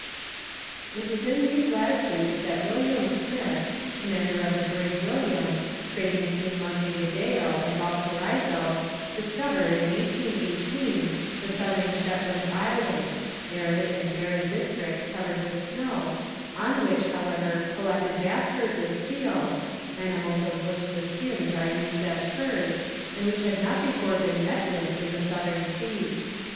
It was in these latitudes that William Smith, commander of the brig William, trading between Monte Video and Valparaiso, discovered, in 1818, the Southern Shetland Islands, arid and barren districts covered with snow, on which, however, collected vast herds of seals, animals of which the skins are used as furs, and which had not before been met with in the Southern Seas.